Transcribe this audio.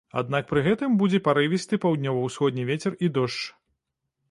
Аднак пры гэтым будзе парывісты паўднёва-ўсходні вецер і дождж.